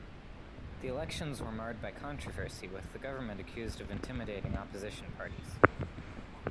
The elections were marred by controversy, with the government accused of intimidating opposition parties.